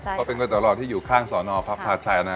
เพราะเป็นก๋วยเตี๋ยวหลอดที่อยู่ข้างสอนอพัพพาชัยนะ